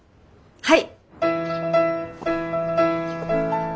はい。